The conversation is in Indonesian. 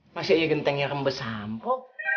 masih iya gentengnya rembes sampo